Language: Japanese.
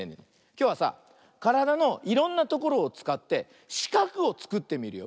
きょうはさからだのいろんなところをつかってしかくをつくってみるよ。